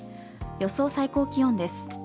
予想最高気温です。